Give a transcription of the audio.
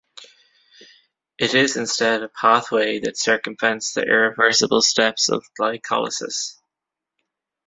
It is instead a pathway that circumvents the irreversible steps of glycolysis.